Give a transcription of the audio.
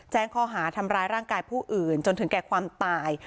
แจ้งข้อหาทำร้ายร่างกายผู้อื่นจนถึงแก่ความตาย